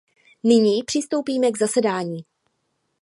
Nyní přistoupíme k zasedání.